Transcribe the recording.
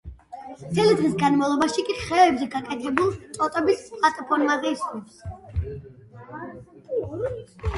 მთელი დღის განმავლობაში კი ხეებზე გაკეთებულ ტოტების პლატფორმაზე ისვენებს.